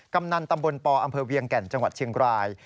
กำนันตำบลปอำเภอเวียงแก่นจังหวัดเชียงราย